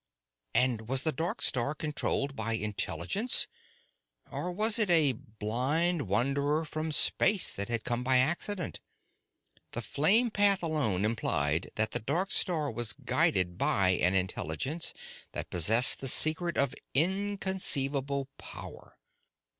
And was the dark star controlled by intelligence, or was it a blind wanderer from space that had come by accident? The flame path alone implied that the dark star was guided by an intelligence that possessed the secret of inconceivable power.